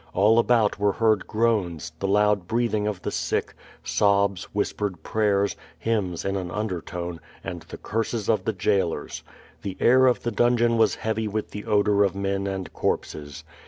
All about were heard groans, the loud breathing of the sick, sobs, whispered prayers, hymns in an undertone, and the curses of the jailers. The air of the dungeon was heavy with the odor of men and corpses.